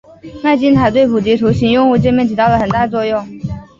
麦金塔对普及图形用户界面起到了很大作用。